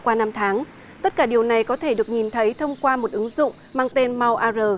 qua năm tháng tất cả điều này có thể được nhìn thấy thông qua một ứng dụng mang tên mau ar